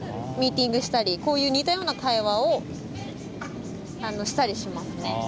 ミーティングしたりこういう似たような会話をあのしたりしますね。